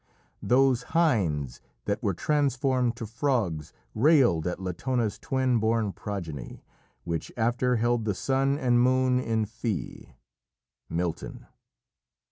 "... Those hinds that were transformed to frogs Railed at Latona's twin born progeny, Which after held the sun and moon in fee." Milton.